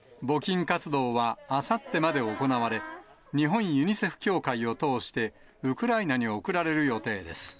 募金活動はあさってまで行われ、日本ユニセフ協会を通してウクライナに送られる予定です。